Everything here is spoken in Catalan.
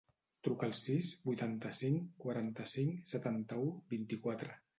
Truca al sis, vuitanta-cinc, quaranta-cinc, setanta-u, vint-i-quatre.